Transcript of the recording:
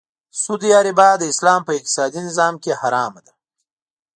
سود یا ربا د اسلام په اقتصادې نظام کې حرامه ده .